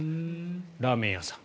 ラーメン屋さん。